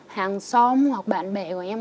hàng xóm hoặc bạn bè của em